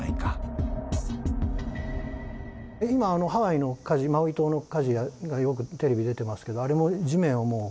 今ハワイの火事マウイ島の火事がよくテレビ出てますけどあれも地面を火の粉がはってますよね